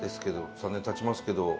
３年たちますけど。